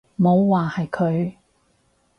冇話係佢